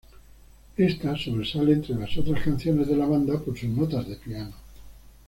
Ésta sobresale entre las otras canciones de la banda por sus notas de piano.